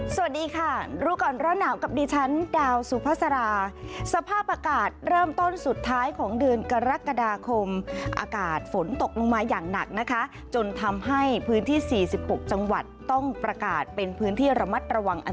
สวัสดีค่ะรู้ก่อนร้อนหนาวกับดิฉันดาวสุภาษาสภาพอากาศเริ่มต้นสุดท้ายของเดือนกรกฎาคมอากาศฝนตกลงมาอย่างหนักนะคะจนทำให้พื้นที่๔๖จังหวัดต้องประกาศเป็นพื้นที่ระมัดระวัง